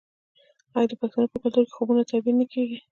آیا د پښتنو په کلتور کې د خوبونو تعبیر نه کیږي؟